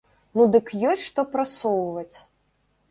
Ну дык ёсць што прасоўваць!